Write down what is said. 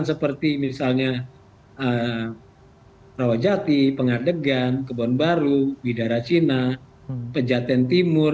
seperti misalnya rawajati pengadegan kebon baru bidara cina pejaten timur